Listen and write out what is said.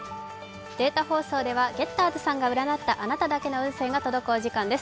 データ放送ではゲッターズさんが占ったあなただけの運勢が届くお時間です。